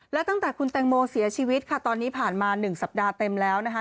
แล้วตั้งแต่คุณแตงโมเสียชีวิตค่ะตอนนี้ผ่านมา๑สัปดาห์เต็มแล้วนะคะ